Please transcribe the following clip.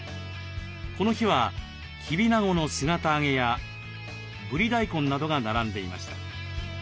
この日はキビナゴの姿揚げやブリ大根などが並んでいました。